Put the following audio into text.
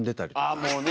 あもうね。